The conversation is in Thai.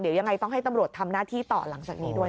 เดี๋ยวยังไงต้องให้ตำรวจทำหน้าที่ต่อหลังจากนี้ด้วย